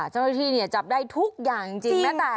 เจ้าหน้าที่เนี่ยจับได้ทุกอย่างจริงจริง